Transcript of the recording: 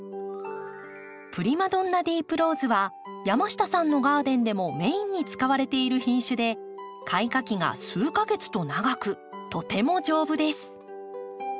‘プリマドンナ・ディープ・ローズ’は山下さんのガーデンでもメインに使われている品種で開花期が数か月と長くとても丈夫です。